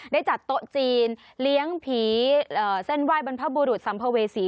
ได้จัดโต๊ะจีนเลี้ยงผีเส้นไหว้บรรพบุรุษสัมภเวษี